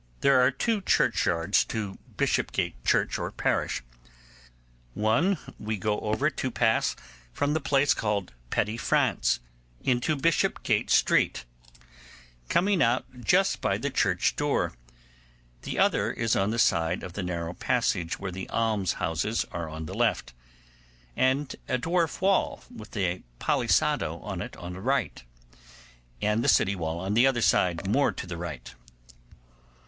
There are two churchyards to Bishopsgate church or parish; one we go over to pass from the place called Petty France into Bishopsgate Street, coming out just by the church door; the other is on the side of the narrow passage where the alms houses are on the left; and a dwarf wall with a palisado on it on the right hand, and the city wall on the other side more to the right.